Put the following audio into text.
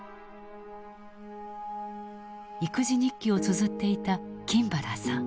育児日記をつづっていた金原さん。